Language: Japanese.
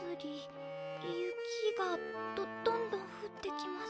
「雪がどどんどんふってきます」。